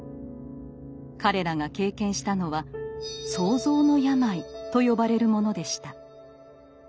彼らが経験したのは「創造の病い」と呼ばれるものでした。